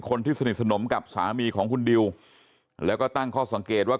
คนที่สนิทสนมกับสามีของคุณดิวแล้วก็ตั้งข้อสังเกตว่า